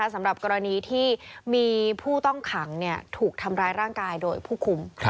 สำหรับกรณีที่มีผู้ต้องขังถูกทำร้ายร่างกายโดยผู้คุม